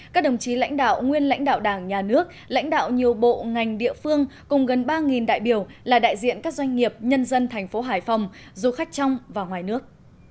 các đồng chí lãnh đạo nguyên lãnh đạo đảng nhà nước lãnh đạo nhiều bộ ngành địa phương cùng gần ba đại biểu là đại diện các doanh nghiệp nhân dân thành phố hải phòng du khách trong và ngoài nước